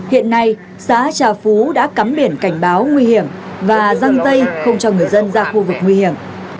hiện nay xã trà phú đã cắm biển cảnh báo nguy hiểm và răng dây không cho người dân ra khu vực nguy hiểm